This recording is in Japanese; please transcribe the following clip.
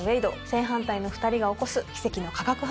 正反対の２人が起こす奇跡の化学反応とは？